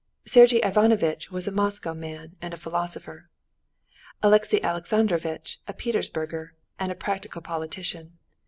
Sergey Ivanovitch was a Moscow man, and a philosopher; Alexey Alexandrovitch a Petersburger, and a practical politician.